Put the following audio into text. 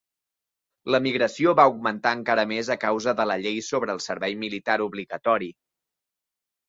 L'emigració va augmentar encara més a causa de la llei sobre el servei militar obligatori.